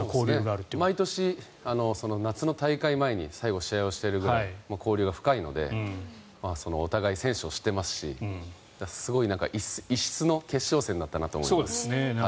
毎年、夏の大会前に最後、試合をしているぐらい交流が深いのでお互い、選手を知っていますしすごい異質の決勝戦だったなと思います。